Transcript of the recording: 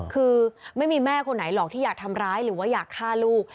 คือไม่มีแม่คนไหนหรอกที่อยากทำร้ายหรือว่าอยากฆ่าลูก